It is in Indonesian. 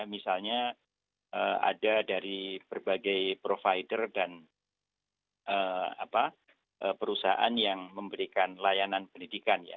misalnya ada dari berbagai provider dan perusahaan yang memberikan layanan pendidikan ya